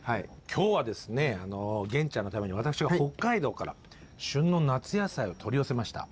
今日はですね源ちゃんのために私が北海道から旬の夏野菜を取り寄せました。